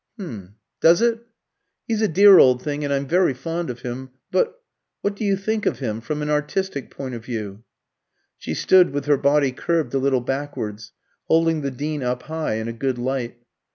"H'm does it? He's a dear old thing, and I'm very fond of him, but what do you think of him? from an artistic point of view?" She stood with her body curved a little backwards, holding the Dean up high in a good light.